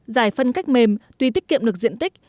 giải phân cách mềm tuy tiết kiệm được diện tích